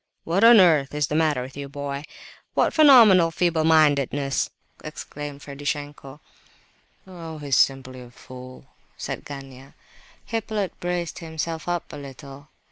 "What on earth is the matter with the boy? What phenomenal feeble mindedness!" exclaimed Ferdishenko. "Oh, he's simply a fool," said Gania. Hippolyte braced himself up a little.